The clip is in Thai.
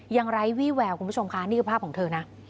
ไร้วี่แววคุณผู้ชมค่ะนี่คือภาพของเธอนะ